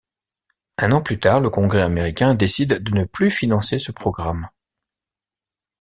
Un an plus tard le Congrès américain décide de ne plus financer ce programme.